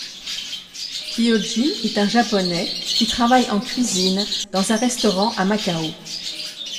Kyoji est un Japonais qui travaille en cuisine dans un restaurant à Macao.